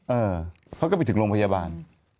เออเขาก็ไปถึงโรงพยาบาล